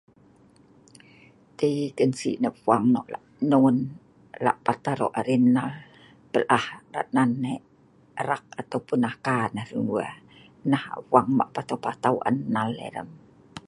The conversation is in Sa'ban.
Tiii kansi nah hfang nok lah non lahpat aro' arai nal pelhah irat nan rak ataupun aka nah hran wee. Nah hfang mah patau patau an nal rem.